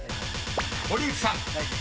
［堀内さん］